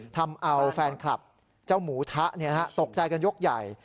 ทำเอาแฟนคลับเจ้าหมูทะตกใจกันยกใหญ่